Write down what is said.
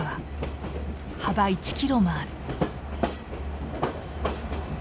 幅１キロもある。